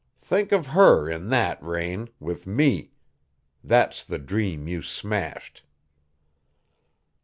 Think of HER in that, Raine with ME! That's the dream you smashed!"